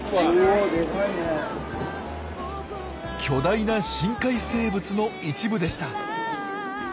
巨大な深海生物の一部でした。